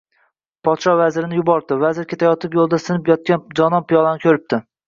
Podsho vazirini yuboribdi, vazir ketayotib yo‘lda sinib yotgan jonon piyolani ko‘ribdi